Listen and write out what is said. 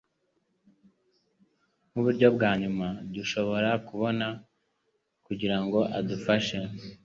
Nkuburyo bwa nyuma, dushobora kubona kugirango adufashe.